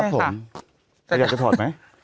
มี่เอาอยากจะถอดไหม